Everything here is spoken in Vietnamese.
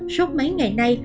sốt mấy ngày nay